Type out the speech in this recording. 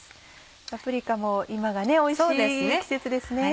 パプリカも今がおいしい季節ですね。